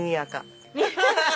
アハハハ。